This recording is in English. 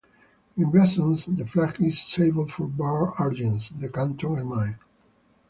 In blazons, the flag is "Sable, four bars Argent; the canton ermine".